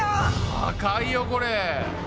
高いよこれ！